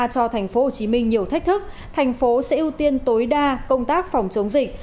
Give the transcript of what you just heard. cho tp hcm nhiều thách thức thành phố sẽ ưu tiên tối đa công tác phòng chống dịch